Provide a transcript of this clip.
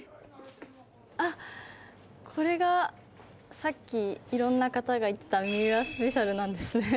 あっこれがさっき色んな方が言ってた三浦スペシャルなんですね